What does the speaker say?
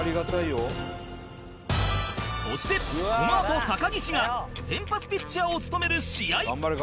そしてこのあと高岸が先発ピッチャーを務める試合